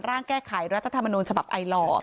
ร่างแก้ไขรัฐธรรมนูญฉบับไอลอร์